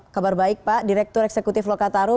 kabar baik pak direktur eksekutif lokataru